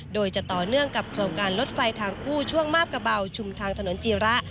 โดยจะต่อเนื่องกับโครงการรถไฟทางคู่ช่วงมาบกระเบาชุมทางถนนจีระ